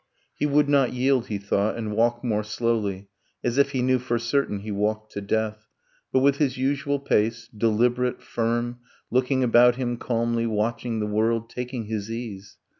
. He would not yield, he thought, and walk more slowly, As if he knew for certain he walked to death: But with his usual pace, deliberate, firm, Looking about him calmly, watching the world, Taking his ease